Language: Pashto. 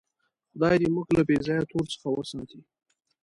خدای دې موږ له بېځایه تور څخه وساتي.